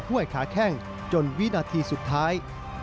ห้วยขาแข้งจนวินาทีสุดท้าย